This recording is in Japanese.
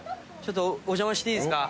お邪魔していいですか？